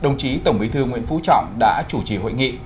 đồng chí tổng bí thư nguyễn phú trọng đã chủ trì hội nghị